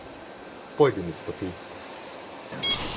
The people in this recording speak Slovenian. Pojdi mi s poti!